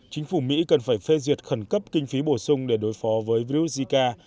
chính phủ mỹ cần phải phê duyệt khẩn cấp kinh phí bổ sung để đối phó với virus zika